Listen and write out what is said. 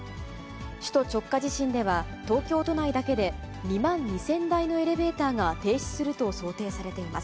首都直下地震では、東京都内だけで２万２０００台のエレベーターが停止すると想定されています。